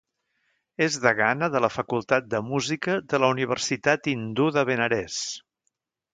És degana de la Facultat de Música de la Universitat Hindú de Benarés.